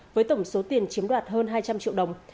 với tổng số tiền chiếm đoạt hơn hai trăm linh triệu đồng